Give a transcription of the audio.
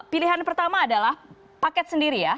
pilihan pertama adalah paket sendiri ya